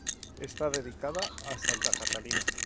Está dedicada a Santa Catalina.